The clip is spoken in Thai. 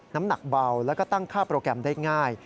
น้ำหนักเบาแล้วก็ตั้งค่าโปรแกรมได้ง่าย